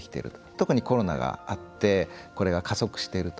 特にコロナがあってこれが加速していると。